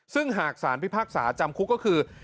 ซึ่งหากสารพิพากษาจำคุกก็คือ